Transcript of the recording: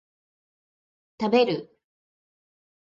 食べる